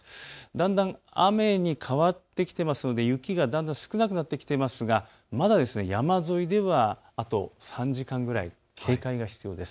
だんだん雨に変わってきていますので雪がだんだん少なくなってきてはいますがまだ山沿いではあと３時間ぐらい警戒が必要です。